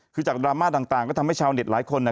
คือจากดราม่าต่างก็ทำให้ชาวเน็ตหลายคน